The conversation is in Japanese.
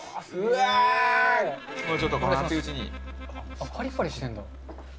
あっパリパリしてるんだ。